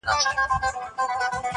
• لکه نه وي پردې مځکه زېږېدلی -